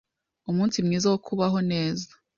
Umunsi mwiza wo kubaho neza